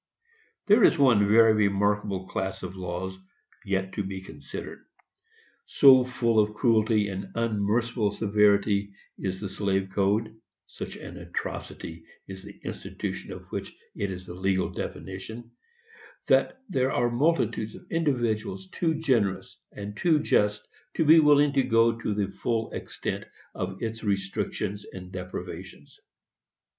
There is one very remarkable class of laws yet to be considered. So full of cruelty and of unmerciful severity is the slave code,—such an atrocity is the institution of which it is the legal definition,—that there are multitudes of individuals too generous and too just to be willing to go to the full extent of its restrictions and deprivations.